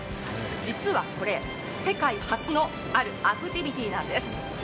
実はこれ、世界初のあるアクティビティーなんです。